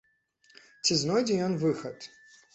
Ці знойдзе ён выхад?